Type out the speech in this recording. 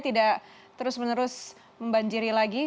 tidak terus menerus membanjiri lagi